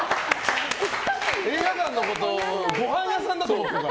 映画館のことごはん屋さんだと思ってるから。